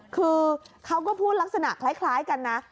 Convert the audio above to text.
คือเขาก็พูดลักษณะคล้ายกันนะ